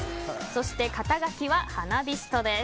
そして、肩書はハナビストです。